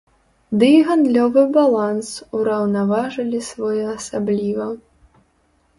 Ды і гандлёвы баланс ўраўнаважылі своеасабліва.